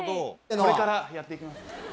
これからやって行きます。